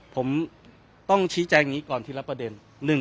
ผมต้องชี้แจงนี้ก่อนทีละประเด็น